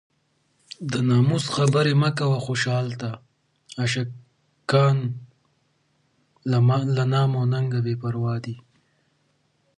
هنر د ټولنې فرهنګي او روحاني پرمختګ لپاره بنسټیز اهمیت لري.